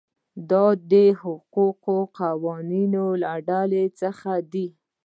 دا د حقوقي قوانینو له ډلې څخه دي.